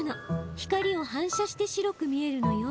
光を反射して白く見えるのよ。